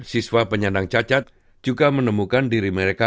siswa penyandang cacat juga menemukan diri mereka